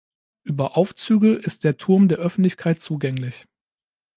Über Aufzüge ist der Turm der Öffentlichkeit zugänglich.